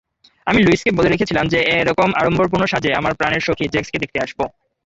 আমি লুইসকে বলে রেখেছিলাম যে এরকম আড়ম্বরপূর্ণ সাঁজে আমার প্রাণের সখী জ্যাক্সকে দেখতে আসব!